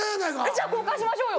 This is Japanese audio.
じゃあ交換しましょうよ。